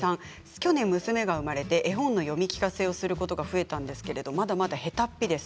去年、娘が生まれて絵本の読み聞かせをすることが増えたんですけれどまだまだへたっぴです。